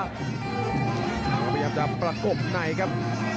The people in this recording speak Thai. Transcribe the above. คนกินท้าพยายามจะประกบในครับ